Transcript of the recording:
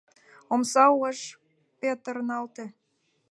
Омса уэш петырналте.